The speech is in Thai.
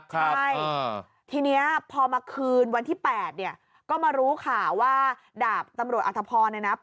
ใช่ทีนี้พอมาคืนวันที่๘เนี่ยก็มารู้ข่าวว่าดาบตำรวจอธพรเนี่ยนะ